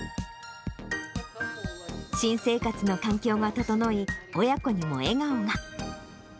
新生活の環境が整い、親子にも笑顔が。